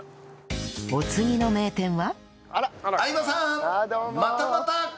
お次の名店は